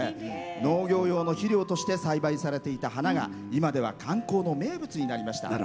農業用の肥料として栽培されていた花が今では観光の名物になりました。